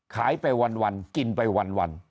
ขายไปวันกินไปวัน